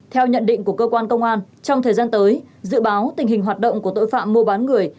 theo nhận định của cơ quan công an trong thời gian tới dự báo tình hình hoạt động của tội phạm mua bán người